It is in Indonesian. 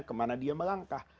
kemana dia melangkah